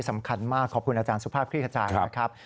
สำคัญมากขอบคุณอาจารย์สุภาพคลี่ขจายนะครับ